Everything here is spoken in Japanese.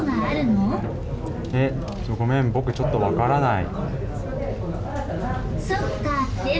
ごめん、僕ちょっと分からない。